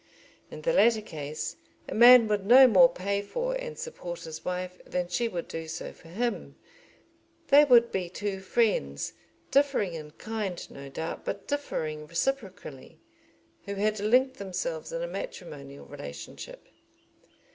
In the latter case a man would no more pay for and support his wife than she would do so for him. They would be two friends, differing in kind no doubt but differing reciprocally, who had linked themselves in a matrimonial relationship.